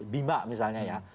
bima misalnya ya